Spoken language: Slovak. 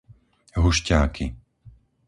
Hušťáky